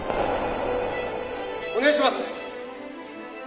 お願いします！